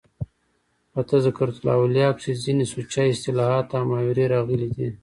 په "تذکرة الاولیاء" کښي ځيني سوچه اصطلاحات او محاورې راغلي دي.